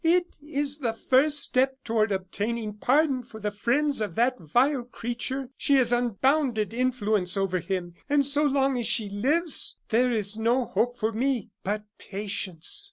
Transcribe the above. "It is the first step toward obtaining pardon for the friends of that vile creature. She has unbounded influence over him, and so long as she lives there is no hope for me. But, patience."